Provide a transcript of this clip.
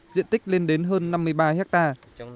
diện tích lên đến hơn năm mươi ba hectare